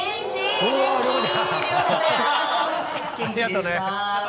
ありがとね。